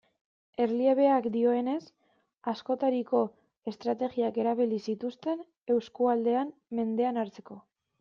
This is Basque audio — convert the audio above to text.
Erliebeak dioenez, askotariko estrategiak erabili zituzten eskualdea mendean hartzeko.